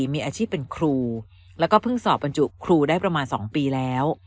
มีอาชีพเป็นครูแล้วก็เพิ่งสอบบรรจุครูได้ประมาณ๒ปีแล้ว